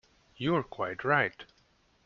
You are quite right.